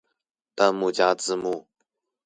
彈幕加字幕